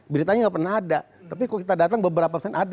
beritanya nggak pernah ada tapi kalau kita datang beberapa persen ada